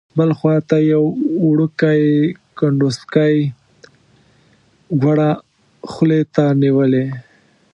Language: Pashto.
بل خوا ته یې یو وړوکی کنډوسکی ګوړه خولې ته نیولې.